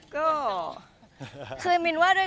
ก็คือมินว่าด้วย